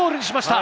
た。